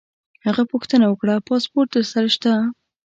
هغه پوښتنه وکړه: پاسپورټ در سره شته؟